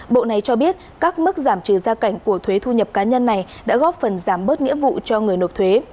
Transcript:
bộ này cho biết các mức giảm trừ gia cảnh của thuế thu nhập cá nhân này đã góp phần giảm bớt nghĩa vụ cho người nộp thuế